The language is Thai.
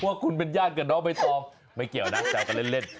ว่าคุณเป็นญาติกับน้องไม่ต้องไม่เกี่ยวนะจะเอาไปเล่น